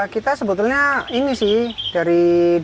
kita sebetulnya ini sih dari dua ribu empat belas